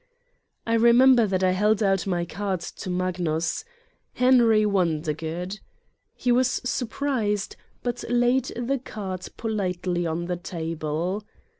I remember that I held out my card to Magnus. "Henry Wondergood." He was surprised, but laid the card politely on the table.